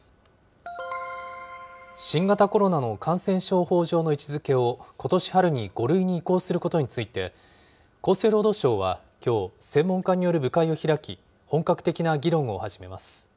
新型コロナの感染症法上の位置づけをことし春に５類に移行することについて、厚生労働省はきょう、専門家による部会を開き、本格的な議論を始めます。